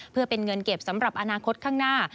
เพื่อเป็นเงินเก็บสำหรับอนาคตข้างหน้า